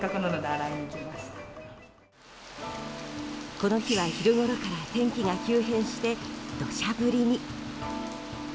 この日は昼ごろから天気が急変して、土砂降りに。